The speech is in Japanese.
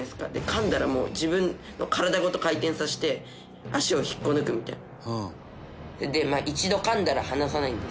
噛んだらもう自分の体ごと回転させて足を引っこ抜くみたいな。